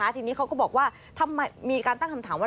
ทีนี้เขาก็บอกว่าทำไมมีการตั้งคำถามว่า